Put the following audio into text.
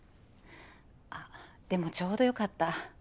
あっでもちょうど良かった。